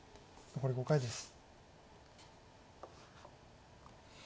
残り５回です。